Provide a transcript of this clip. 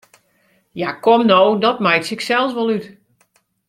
Ja, kom no, dat meitsje ik sels wol út!